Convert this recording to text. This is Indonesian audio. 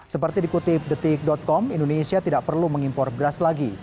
seperti dikutip detik com indonesia tidak perlu mengimpor beras lagi